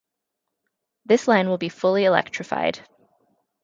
This line will be fully electrified.